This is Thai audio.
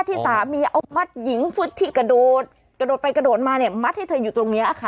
ที่สามีเอามัดหญิงกระโดดกระโดดไปกระโดดมาเนี่ยมัดให้เธออยู่ตรงนี้ค่ะ